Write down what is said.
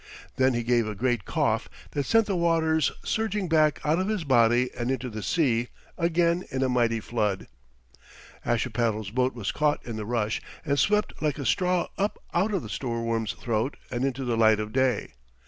Then he gave a great cough that sent the waters surging back out of his body and into the sea again in a mighty flood. Ashipattle's boat was caught in the rush and swept like a straw up out of the Stoorworm's throat and into the light of day.